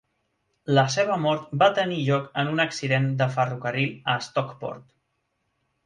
La seva mort va tenir lloc en un accident de ferrocarril a Stockport.